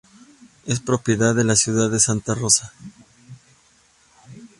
Es propiedad de la ciudad de Santa Rosa.